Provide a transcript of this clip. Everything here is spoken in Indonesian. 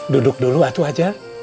duduk dulu atu aja